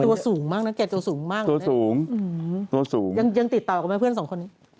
แต่ตัวสูงมากนะเกียรติตัวสูงมากตัวสูงตัวสูงยังติดต่อกันไหมเพื่อนสองคนนี้